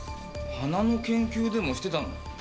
花の研究でもしてたの？